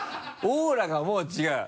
オーラがもう違う。